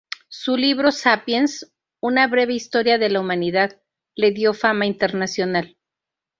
Su libro "Sapiens: Una breve historia de la humanidad" le dio fama internacional.